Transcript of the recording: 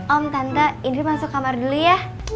om tanda idri masuk kamar dulu ya